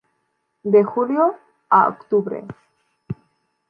De julio a octubre.